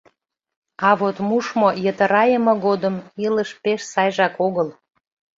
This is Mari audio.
А вот мушмо-йытырайыме годым илыш пеш сайжак огыл.